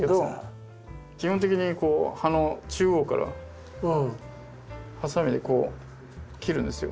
基本的にこう葉の中央からハサミでこう切るんですよ。